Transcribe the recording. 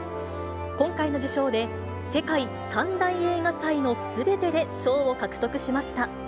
今回の受賞で、世界３大映画祭のすべてで賞を獲得しました。